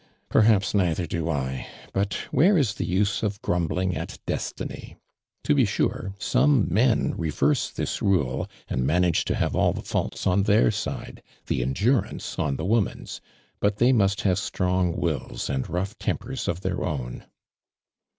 " Perhaps neither do I, but where is the use of grumbling at destiny? To be sure, some men revei se this rule and manage to liavo all the faults on their side — the endu rance on the woman's, but they must have strong wills and rough tempers of their own."